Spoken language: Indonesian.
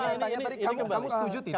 saya tanya tadi kamu setuju tidak